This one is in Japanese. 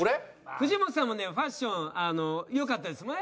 藤本さんもねファッション良かったですもんね。